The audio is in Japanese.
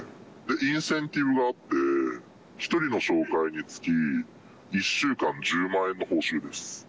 インセンティブがあって、１人の紹介につき１週間１０万円の報酬です。